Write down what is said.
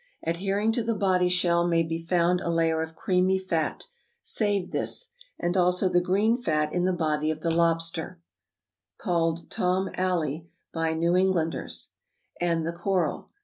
Adhering to the body shell may be found a layer of creamy fat; save this, and also the green fat in the body of the lobster (called tom alley by New Englanders), and the coral.